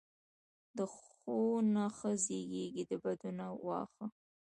دښو نه ښه زیږیږي، د بدونه واښه.